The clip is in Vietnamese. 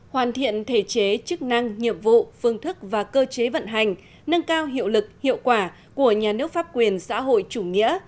hoàn thiện thể chế chức năng nhiệm vụ phương thức và cơ chế vận hành nâng cao hiệu lực hiệu quả của nhà nước pháp quyền xã hội chủ nghĩa